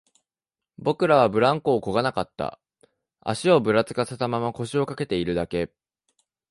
僕らはブランコをこがなかった、足をぶらつかせたまま、腰掛けているだけ